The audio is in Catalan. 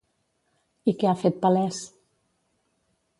I què ha fet palès?